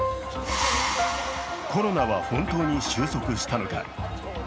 コロナは本当に終息したのか？